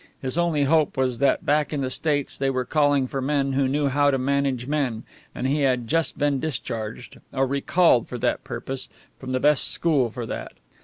His only hope was that back in the States they were calling for men who knew how to manage men, and he had just been discharged or recalled for that purpose from the best school for that.